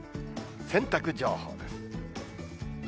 洗濯情報です。